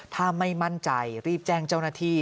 ถ้าไม่มั่นใจรีบแจ้งเจ้าหน้าที่